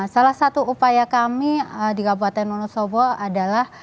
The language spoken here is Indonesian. salah satu upaya kami di kabupaten wonosobo adalah